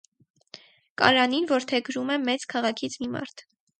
Կարանին որդեգրում է մեծ քաղաքից մի մարդ։